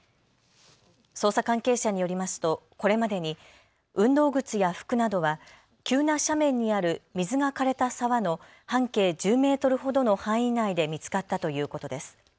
捜査関係者によりますとこれまでに運動靴や服などは急な斜面にある水がかれた沢の半径１０メートルほどの範囲内で見つかったということです。